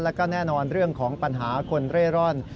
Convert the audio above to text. แล้วก็แน่นอนเรื่องของปัญหาคนเร่ร่อน